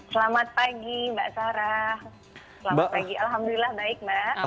selamat pagi mbak sarah selamat pagi alhamdulillah baik mbak